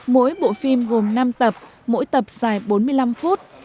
mỗi bộ phim gồm năm tập mỗi tập dài bốn mươi năm phút